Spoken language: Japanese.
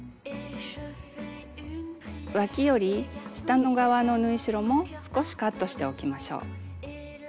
わきより下の側の縫い代も少しカットしておきましょう。